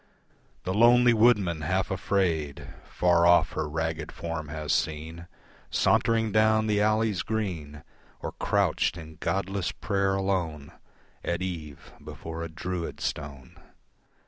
The lonely woodman half afraid Far off her ragged form has seen Sauntering down the alleys green, Or crouched in godless prayer alone At eve before a Druid stone.